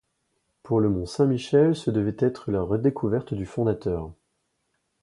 Pour le mont Saint-Michel, ce devait être la redécouverte du fondateur.